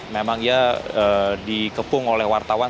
memang ia dikepung oleh wartawan